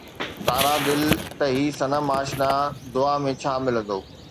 تارا دل ته هي صنم آشنا، دعا ۾ ڇا ملندو؟